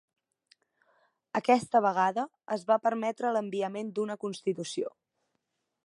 Aquesta vegada, es va permetre l'enviament d'una constitució.